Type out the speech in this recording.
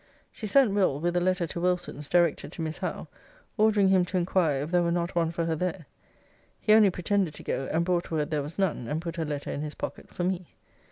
'She sent Will. with a letter to Wilson's, directed to Miss Howe, ordering him to inquire if there were not one for her there. 'He only pretended to go, and brought word there was none; and put her letter in his pocket for me.